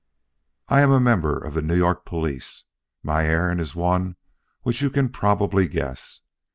"I am a member of the New York police. My errand is one which you can probably guess.